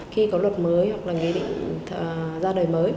khi có luật mới hoặc là nghị định ra đời mới